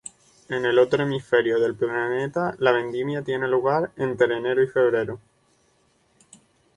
En el otro hemisferio del planeta la vendimia tiene lugar entre enero y febrero.